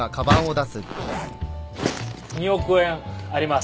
２億円あります。